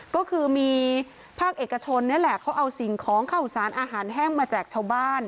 ก็คือมีภาคเอกชนนี่แหละเขาเอาสิ่งของเข้าสารอาหารแห้งมาแจกชาวบ้าน